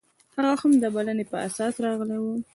هغه هم د بلنې پر اساس راغلی و.